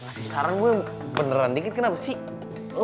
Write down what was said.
masih sarang gua beneran dikit kenapa sih